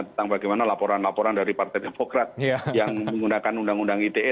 tentang bagaimana laporan laporan dari partai demokrat yang menggunakan undang undang ite